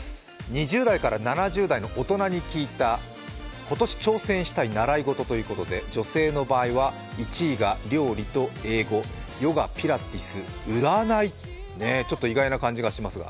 ２０代から７０代の大人に聞いた今年挑戦したい習い事ということで女性の場合は、１位が料理と英語ヨガ・ピラティス、占い、ちょっと意外な感じがしますが。